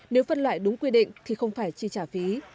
nếu phân loại đúng quy định thì không phải chi trả phí